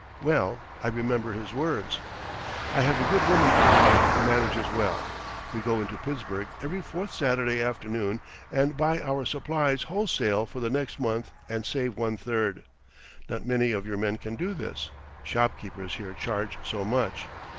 Well I remember his words: "I have a good woman for wife who manages well. We go into Pittsburgh every fourth Saturday afternoon and buy our supplies wholesale for the next month and save one third. Not many of your men can do this. Shopkeepers here charge so much.